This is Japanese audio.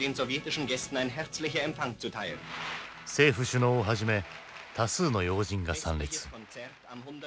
政府首脳をはじめ多数の要人が参列。